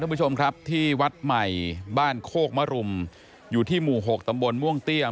ผู้ชมครับที่วัดใหม่บ้านโคกมรุมอยู่ที่หมู่๖ตำบลม่วงเตี้ยม